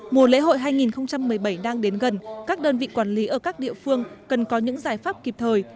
mùa lễ hội hai nghìn một mươi bảy đang đến gần các đơn vị quản lý ở các địa phương cần có những giải pháp kịp thời